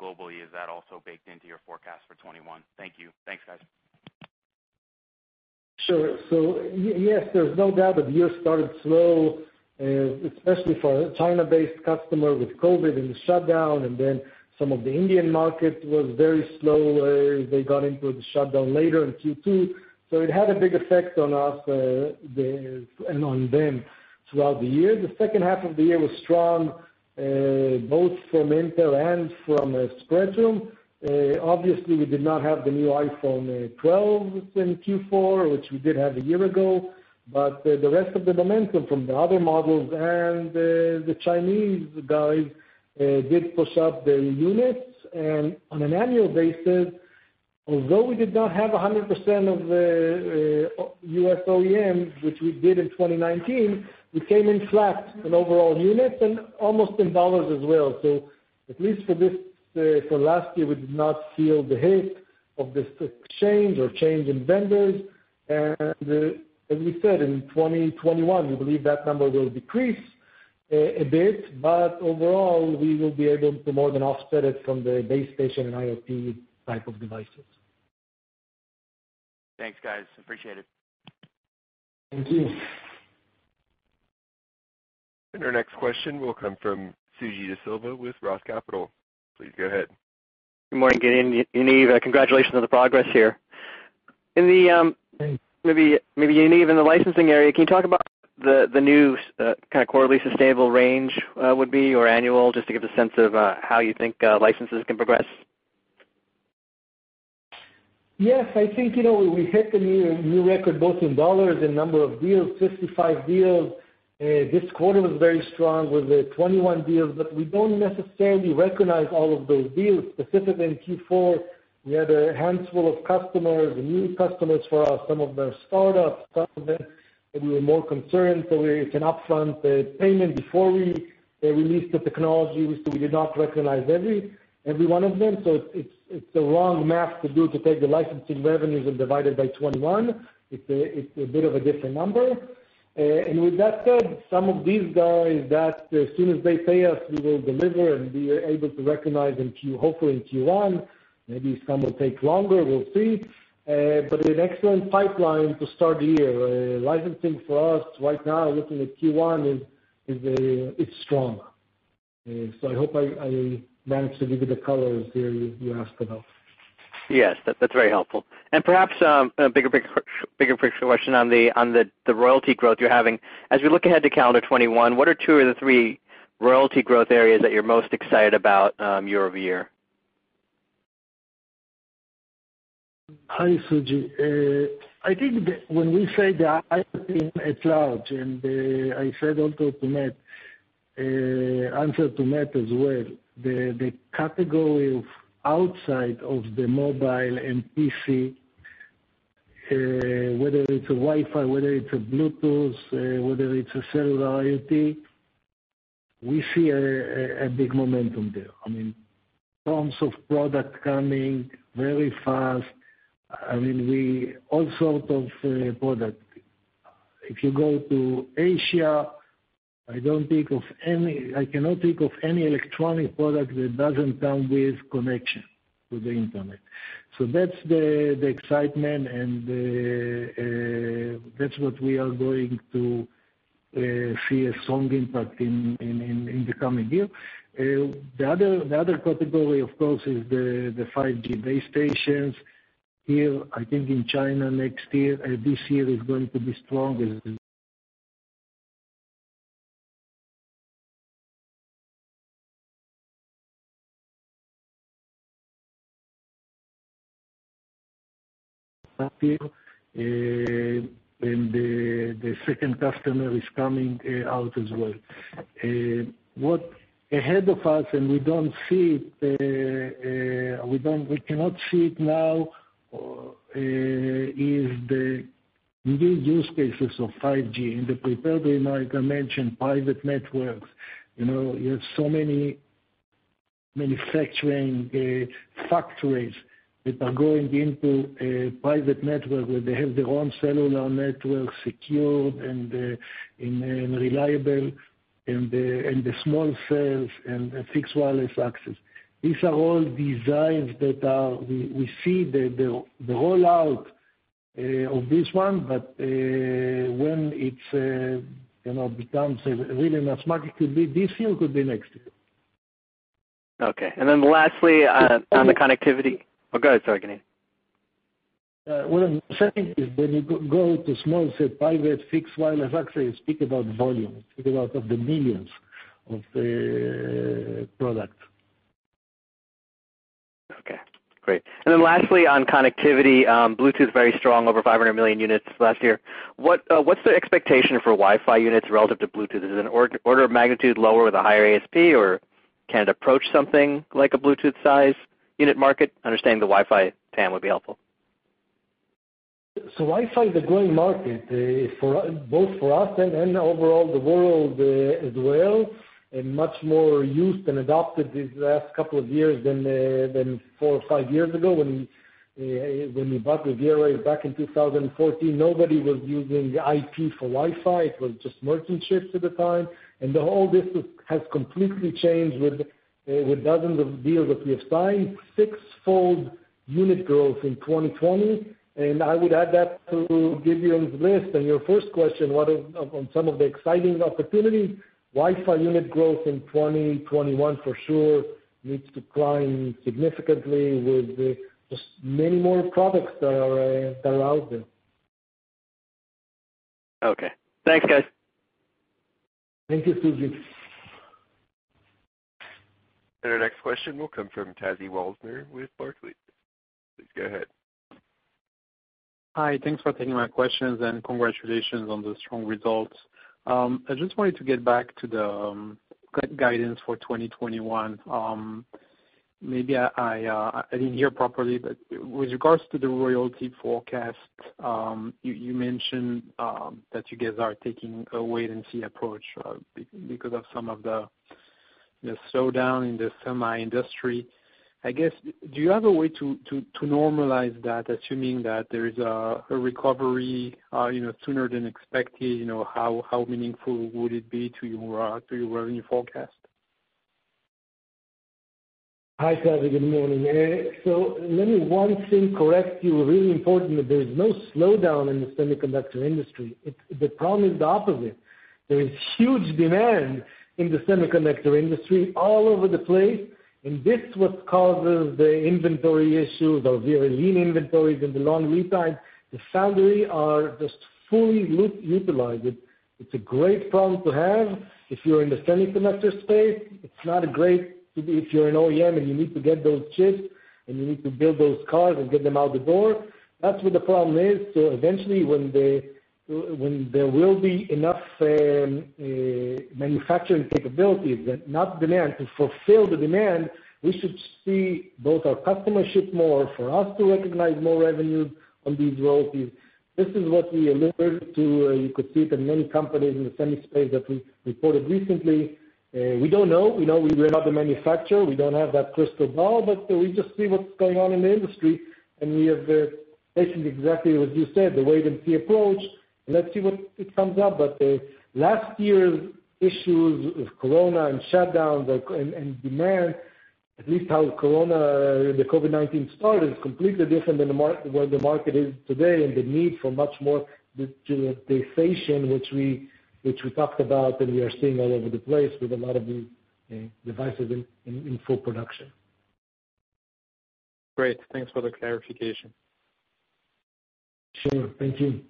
globally. Is that also baked into your forecast for 2021? Thank you. Thanks, guys. Sure. Yes, there's no doubt that the year started slow, especially for our China-based customer with COVID and the shutdown. Some of the Indian market was very slow. They got into the shutdown later in Q2. It had a big effect on us, and on them throughout the year. The second half of the year was strong, both from Intel and from Spreadtrum. Obviously, we did not have the new iPhone 12 in Q4, which we did have a year ago. The rest of the momentum from the other models and the Chinese guys did push up the units. On an annual basis, although we did not have 100% of the U.S. OEM, which we did in 2019, we came in flat on overall units and almost in dollars as well. At least for last year, we did not feel the hit of this exchange or change in vendors. As we said, in 2021, we believe that number will decrease a bit, but overall, we will be able to more than offset it from the base station and IoT type of devices. Thanks, guys. Appreciate it. Thank you. Our next question will come from Suji Desilva with ROTH Capital. Please go ahead. Good morning, again, Yaniv. Congratulations on the progress here. Thanks. Maybe, Yaniv, in the licensing area, can you talk about the new quarterly sustainable range would be, or annual, just to give a sense of how you think licenses can progress? Yes. I think, we hit the new record both in dollars and number of deals, 55 deals. This quarter was very strong with 21 deals. We don't necessarily recognize all of those deals. Specifically in Q4, we had a handful of customers, new customers for us. Some of them are startups, some of them that we were more concerned, we can upfront the payment before we release the technology. We did not recognize every one of them. It's the wrong math to do to take the licensing revenues and divide it by 21. It's a bit of a different number. With that said, some of these guys that, as soon as they pay us, we will deliver and be able to recognize, hopefully in Q1. Maybe some will take longer. We'll see. An excellent pipeline to start the year. Licensing for us right now, looking at Q1, it's strong. I hope I managed to give you the colors there you asked about. Yes. That's very helpful. Perhaps, a bigger picture question on the royalty growth you're having. As we look ahead to calendar 2021, what are two of the three royalty growth areas that you're most excited about year-over-year? Hi, Suji. I think when we say the IoT at large, I said also to Matt, answered to Matt as well, the category of outside of the mobile and PC, whether it's a Wi-Fi, whether it's a Bluetooth, whether it's a cellular IoT, we see a big momentum there. I mean, tons of product coming very fast. I mean, all sort of product. If you go to Asia, I cannot think of any electronic product that doesn't come with connection to the internet. That's the excitement and that's what we are going to see a strong impact in the coming year. The other category, of course, is the 5G base stations. Here, I think in China this year is going to be stronger than last year, the second customer is coming out as well. What ahead of us, and we cannot see it now, is the new use cases of 5G. In the prepared remarks, I mentioned private networks. You have so many manufacturing factories that are going into a private network where they have their own cellular network secured and reliable, and the small cells and fixed wireless access. These are all designs that we see the rollout of this one, but when it becomes a really mass market could be this year, could be next year. Okay. Lastly, Oh, go ahead. Sorry, Yaniv. What I'm saying is when you go to small, say, private fixed wireless access, you speak about volume, you speak about of the millions of the products. Okay, great. Lastly, on connectivity, Bluetooth very strong, over 500 million units last year. What's the expectation for Wi-Fi units relative to Bluetooth? Is it an order of magnitude lower with a higher ASP, or can it approach something like a Bluetooth size unit market? Understanding the Wi-Fi TAM would be helpful. Wi-Fi is a growing market, both for us and overall the world as well, and much more used and adopted these last couple of years than four or five years ago. When we bought RivieraWaves back in 2014, nobody was using IP for Wi-Fi. It was just merchant ships at the time. All this has completely changed with dozens of deals that we have signed. 6-fold unit growth in 2020, and I would add that to Gideon's list. Your first question, on some of the exciting opportunities, Wi-Fi unit growth in 2021, for sure needs to climb significantly with just many more products that are out there. Okay. Thanks, guys. Thank you, Suji. Our next question will come from Tavy Rosner with Barclays. Please go ahead. Hi. Thanks for taking my questions. Congratulations on the strong results. I just wanted to get back to the guidance for 2021. Maybe I didn't hear properly. With regards to the royalty forecast, you mentioned that you guys are taking a wait-and-see approach because of some of the slowdown in the semi industry. I guess, do you have a way to normalize that, assuming that there is a recovery sooner than expected, how meaningful would it be to your revenue forecast? Hi, Tavy. Good morning. Let me one thing correct you, really important, that there is no slowdown in the semiconductor industry. The problem is the opposite. There is huge demand in the semiconductor industry all over the place, this what causes the inventory issues of very lean inventories and the long lead times. The foundry are just fully utilized. It's a great problem to have if you're in the semiconductor space. It's not great if you're an OEM you need to get those chips, you need to build those cars and get them out the door. That's where the problem is. Eventually, when there will be enough manufacturing capabilities, not demand, to fulfill the demand, we should see both our customers ship more for us to recognize more revenue on these royalties. This is what we alluded to. You could see it in many companies in the semi space that we reported recently. We don't know. We know we are not the manufacturer. We don't have that crystal ball. We just see what's going on in the industry, and we have basically exactly as you said, the wait-and-see approach, and let's see what it comes up. Last year's issues with Corona and shutdowns and demand, at least how the COVID-19 started, is completely different than where the market is today and the need for much more digitization, which we talked about, and we are seeing all over the place with a lot of the devices in full production. Great. Thanks for the clarification. Sure. Thank you.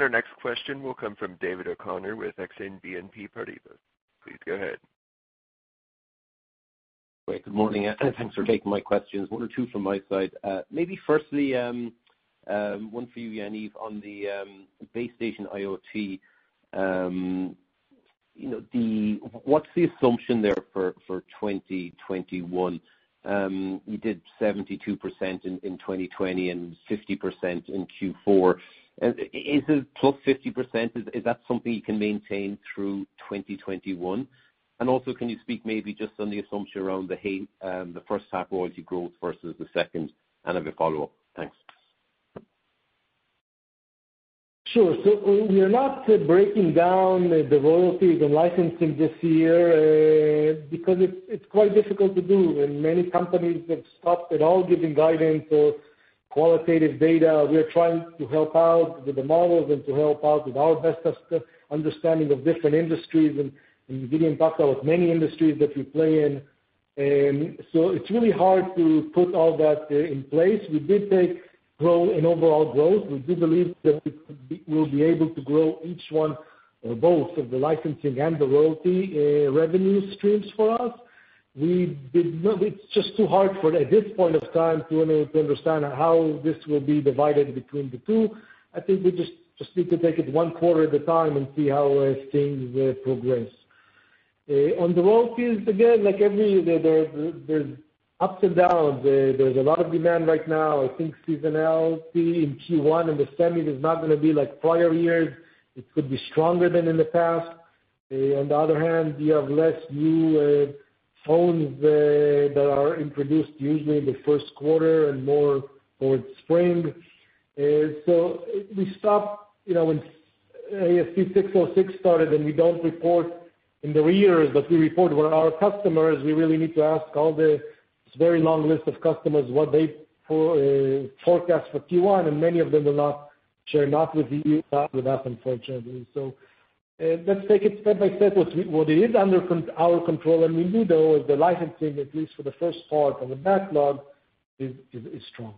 Our next question will come from David O'Connor with Exane BNP Paribas. Please go ahead. Great. Good morning. Thanks for taking my questions. One or two from my side. Maybe firstly, one for you, Yaniv, on the base station IoT. What's the assumption there for 2021? You did 72% in 2020 and 50% in Q4. Is it +50%? Is that something you can maintain through 2021? Also, can you speak maybe just on the assumption around the first half royalty growth versus the second? I have a follow-up. Thanks. Sure. We are not breaking down the royalties and licensing this year, because it's quite difficult to do, and many companies have stopped at all giving guidance or qualitative data. We are trying to help out with the models and to help out with our best understanding of different industries and giving impact out many industries that we play in. It's really hard to put all that in place. We did take growth in overall growth. We do believe that we'll be able to grow each one, both of the licensing and the royalty revenue streams for us. It's just too hard at this point of time to understand how this will be divided between the two. I think we just need to take it one quarter at a time and see how things progress. On the royalties, again, like every year, there's ups and downs. There's a lot of demand right now. I think seasonality in Q1 in the semis is not going to be like prior years. It could be stronger than in the past. On the other hand, you have less new phones that are introduced usually in the first quarter and more towards spring. We stop when ASC 606 started, and we don't report in arrears, but we really need to ask all the very long list of customers what they forecast for Q1. Share not with you, not with us, unfortunately. Let's take it step by step. What is under our control, and we do know is the licensing, at least for the first part of the backlog, is strong.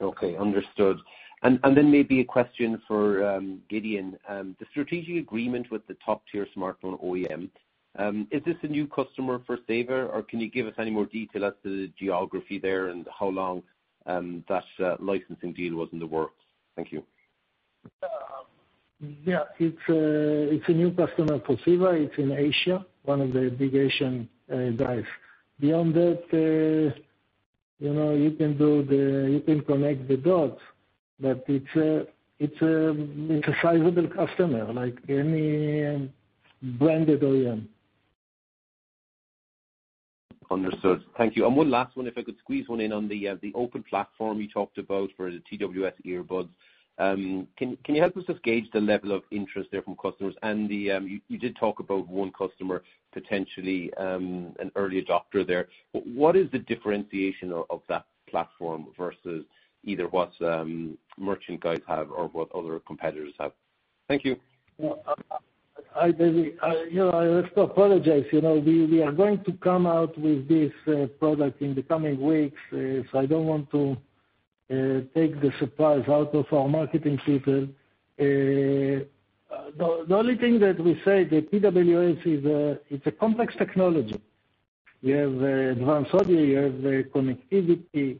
Okay. Understood. Maybe a question for Gideon. The strategic agreement with the top-tier smartphone OEM, is this a new customer for CEVA? Can you give us any more detail as to the geography there and how long that licensing deal was in the works? Thank you. It's a new customer for CEVA. It's in Asia, one of the big Asian guys. Beyond that, you can connect the dots, but it's a sizable customer, like any branded OEM. Understood. Thank you. One last one, if I could squeeze one in on the open platform you talked about for the TWS earbuds. Can you help us just gauge the level of interest there from customers? You did talk about one customer, potentially an early adopter there. What is the differentiation of that platform versus either what merchant guys have or what other competitors have? Thank you. David, I still apologize. We are going to come out with this product in the coming weeks. I don't want to take the surprise out of our marketing people. The only thing that we say, the TWS, it's a complex technology. You have advanced audio, you have the connectivity,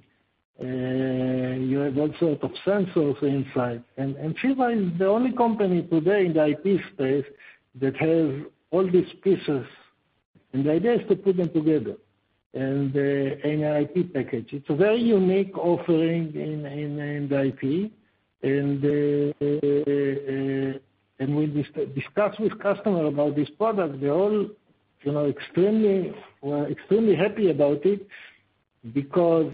you have all sort of sensors inside. CEVA is the only company today in the IP space that has all these pieces, and the idea is to put them together in an IP package. It's a very unique offering in the IP, and when we discuss with customer about this product, they're all extremely happy about it because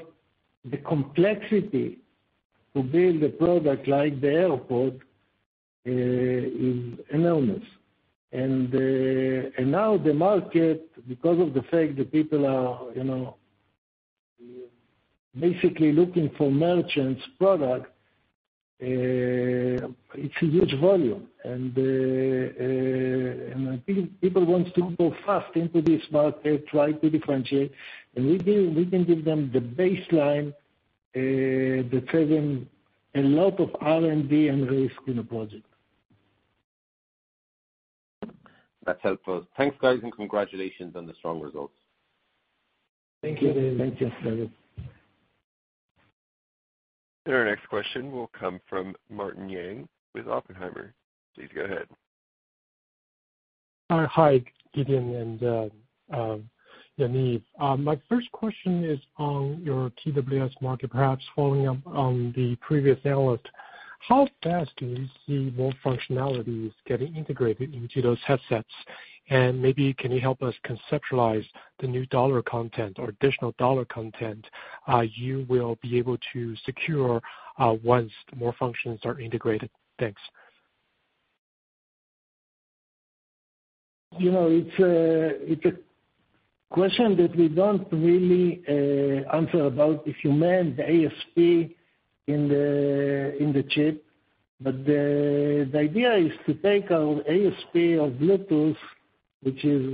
the complexity to build a product like the AirPod is enormous. Now the market, because of the fact that people are basically looking for merchants product, it's a huge volume. I think people want to go fast into this market, try to differentiate, and we can give them the baseline that saving a lot of R&D and risk in a project. That's helpful. Thanks, guys, and congratulations on the strong results. Thank you. Thank you. Our next question will come from Martin Yang with Oppenheimer. Please go ahead. Hi, Gideon and Yaniv. My first question is on your TWS market, perhaps following up on the previous analyst. How fast do you see more functionalities getting integrated into those headsets? Maybe can you help us conceptualize the new dollar content or additional dollar content you will be able to secure once more functions are integrated? Thanks. It's a question that we don't really answer about, if you meant the ASP in the chip. The idea is to take our ASP of Bluetooth, which is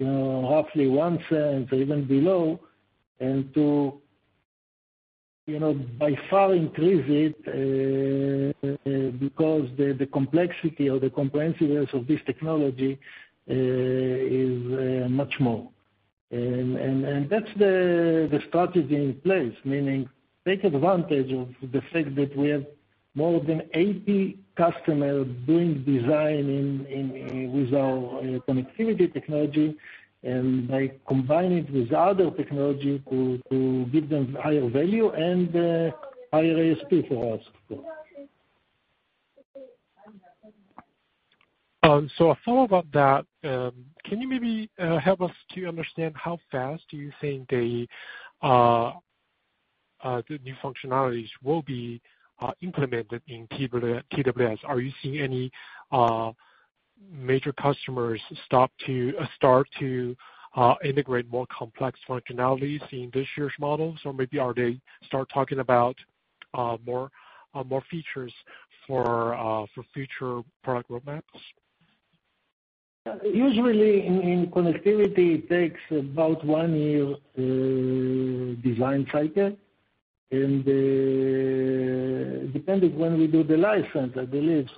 roughly $0.01 or even below, and to by far increase it, because the complexity or the comprehensiveness of this technology is much more. That's the strategy in place, meaning take advantage of the fact that we have more than 80 customers doing design with our connectivity technology, and by combining with other technology to give them higher value and higher ASP for us. I thought about that. Can you maybe help us to understand how fast do you think the new functionalities will be implemented in TWS? Are you seeing any major customers start to integrate more complex functionalities in this year's models? Or maybe are they start talking about more features for future product roadmaps? Usually, in connectivity, it takes about one year design cycle, and depending when we do the license, I believe.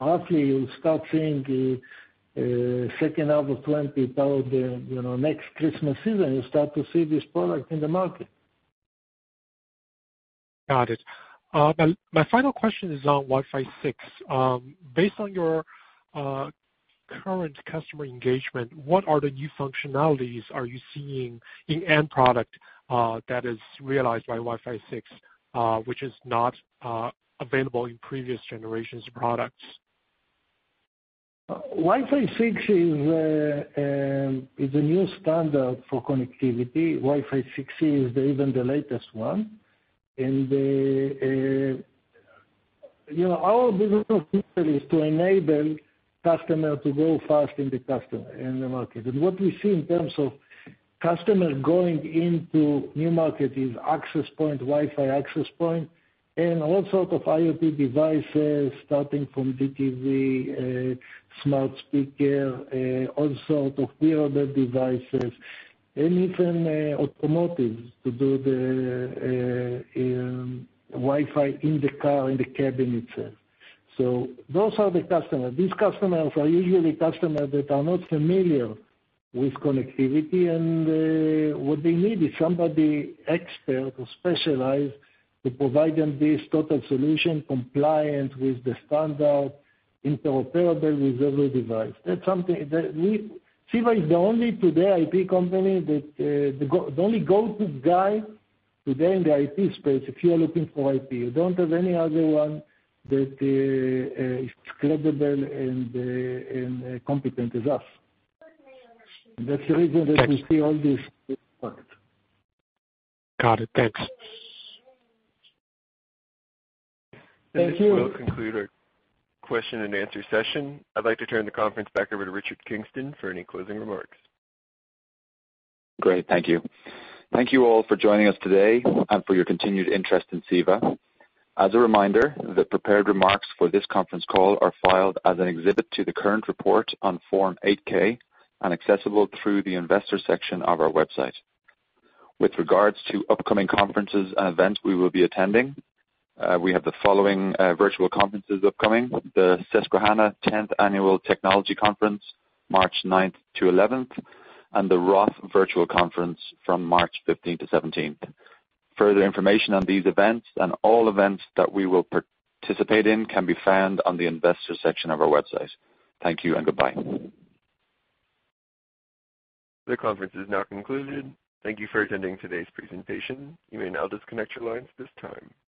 Hopefully, you'll start seeing the second half of 2020, probably next Christmas season, you'll start to see this product in the market. Got it. My final question is on Wi-Fi 6. Based on your current customer engagement, what are the new functionalities are you seeing in end product that is realized by Wi-Fi 6, which is not available in previous generations products? Wi-Fi 6 is a new standard for connectivity. Wi-Fi 6E is even the latest one. Our business model is to enable customer to grow fast in the market. What we see in terms of customers going into new market is access point, Wi-Fi access point, and all sort of IoT devices, starting from DTV, smart speaker, all sort of hearable devices, and even automotives to do the Wi-Fi in the car, in the cabin itself. Those are the customers. These customers are usually customers that are not familiar with connectivity, and what they need is somebody expert or specialized to provide them this total solution compliant with the standard, interoperable with every device. CEVA is the only today IP company, the only go-to guy today in the IP space if you are looking for IP. You don't have any other one that is credible and competent as us. That's the reason that we see all this response. Got it. Thanks. Thank you. This will conclude our question-and-answer session. I'd like to turn the conference back over to Richard Kingston for any closing remarks. Great. Thank you. Thank you all for joining us today and for your continued interest in CEVA. As a reminder, the prepared remarks for this conference call are filed as an exhibit to the current report on Form 8-K and accessible through the investor section of our website. With regards to upcoming conferences and events we will be attending, we have the following virtual conferences upcoming: the Susquehanna 10th Annual Technology Conference, March 9th-11th, and the ROTH Virtual Conference from March 15th-17th. Further information on these events and all events that we will participate in can be found on the investor section of our website. Thank you and goodbye. The conference is now concluded. Thank you for attending today's presentation. You may now disconnect your lines at this time.